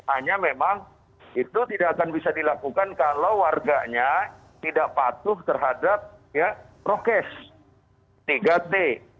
hanya memang itu tidak akan bisa dilakukan kalau warganya tidak patuh terhadap prokes tiga t